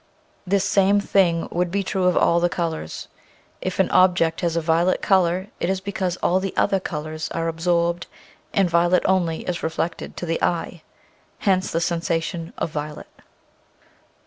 This same thing would be true of all the colors. If an object has a violet color it is because all the other colors are ab sorbed and violet only is reflected to the eye, hence the sensation of violet.